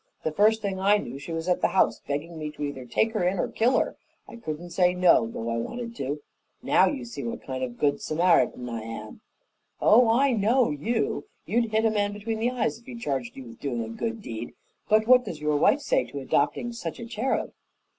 The first thing I knew she was at the house, begging me to either take her in or kill her. I couldn't say no, though I wanted to. Now, you see what kind of a good Samaritan I am." "Oh, I know you! You'd hit a man between the eyes if he charged you with doing a good deed. But what does your wife say to adopting such a cherub?"